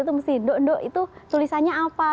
itu mesti do do itu tulisannya apa